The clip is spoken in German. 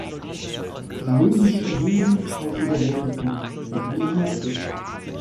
Sie mögen sich erheben, falls sie dir helfen können, wenn du in Not bist.